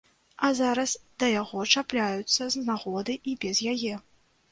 А зараз да яго чапляюцца з нагоды і без яе.